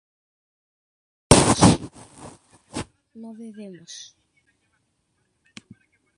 no bebemos